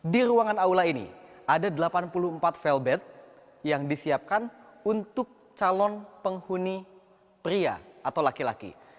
di ruangan aula ini ada delapan puluh empat felbet yang disiapkan untuk calon penghuni pria atau laki laki